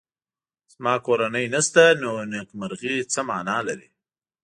زما کورنۍ نشته نو نېکمرغي څه مانا لري